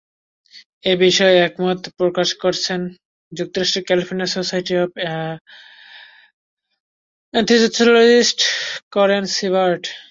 এ বিষয়ে একমত প্রকাশ করেছেন যুক্তরাষ্ট্রের California society of anaesthesiologist Karen সিবার্ট।